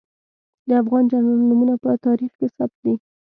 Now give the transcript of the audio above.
د افغان جنرالانو نومونه په تاریخ کې ثبت دي.